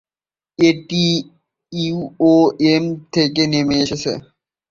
এটি ইউওএম থেকে নেমে এসেছে।